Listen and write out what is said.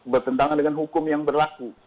bertentangan dengan hukum yang berlaku